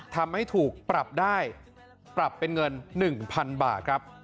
ทำให้ถูกปรับได้ปรับเป็นเงิน๑๐๐๐บาทครับ